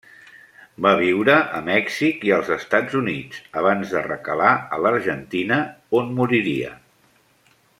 Va viure a Mèxic i als Estats Units abans de recalar a l'Argentina, on moriria.